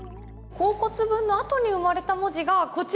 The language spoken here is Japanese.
甲骨文のあとに生まれた文字がこちらです。